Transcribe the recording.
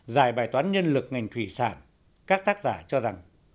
giải bài toán nhân lực ngành thủy sản các tác giả cho rằng